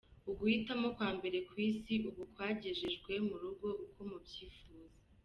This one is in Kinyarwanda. Uguhitamo kwa mbere ku Isi ubu kwagejejwe mu rugo uko mu byifuza.